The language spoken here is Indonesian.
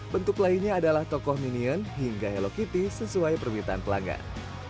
bentuk lainnya adalah tokoh minion hingga hello kitty sesuai permintaan pelanggan